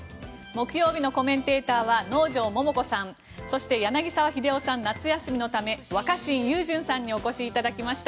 木曜日のコメンテーターは能條桃子さんそして柳澤秀夫さんは夏休みのため若新雄純さんにお越しいただきました。